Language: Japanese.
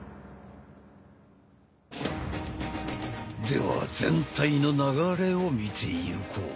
では全体の流れを見ていこう。